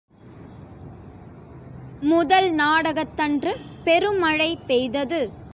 முதல் நாடகத்தன்று பெருமழை பெய்தது.